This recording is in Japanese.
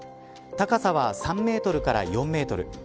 高さは３メートルから４メートル。